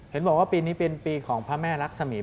เห็นบอกว่าปีนี้เป็นปีของพระแม่รักษมี